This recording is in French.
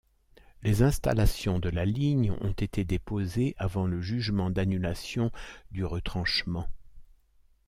Les installations de la ligne ont été déposées avant le jugement d'annulation du retranchement.